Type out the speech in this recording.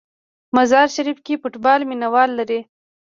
مزار شریف کې فوټبال مینه وال لري.